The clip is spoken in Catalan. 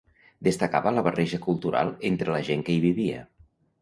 Destacava la barreja cultural entre la gent que hi vivia...